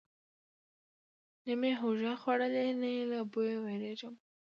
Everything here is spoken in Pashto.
نه مې هوږه خوړلې، نه یې له بویه ویریږم.